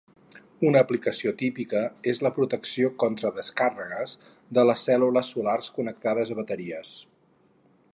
Una aplicació típica és la protecció contra descàrregues de les cèl·lules solars connectades a bateries.